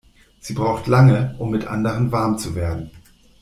Sie braucht lange, um mit anderen warm zu werden.